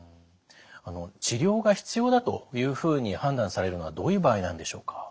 治療が必要だというふうに判断されるのはどういう場合なんでしょうか？